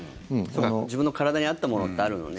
自分の体に合ったものってあるのね。